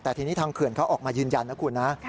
แต่ทีนี้ทางเขื่อนเขาออกมายืนยันนะคุณนะ